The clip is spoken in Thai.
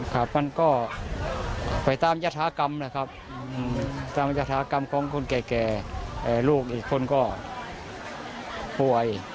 ครับมันก็ไปตามยธากรรมนะครับตามยฐากรรมของคนแก่ลูกอีกคนก็ป่วย